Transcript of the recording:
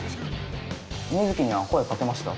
水城には声かけました？